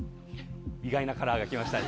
意外なカラーが来ました。